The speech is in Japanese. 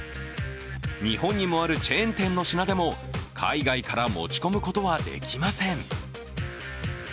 日本にもあるチェーン店の品でも海外から持ち込むことはできません。